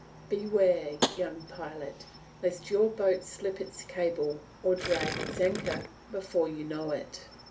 Beware, young pilot, lest your boat slip its cable or drag its anchor before you know it.